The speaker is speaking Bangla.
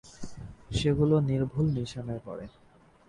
সেগুলো নির্ভুল নিশানায় পড়ে।